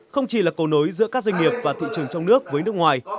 không chỉ là cầu nối giữa các doanh nghiệp và thị trường trong nước với nước ngoài